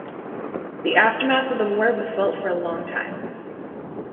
The aftermath of the war was felt for a long time.